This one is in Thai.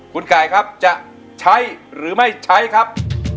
คุณไก่ครับจะใช้หรือไม่ใช้ครับ